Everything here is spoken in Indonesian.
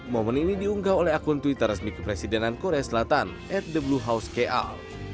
momen ini diunggah oleh akun twitter resmi kepresidenan korea selatan at the blue house kal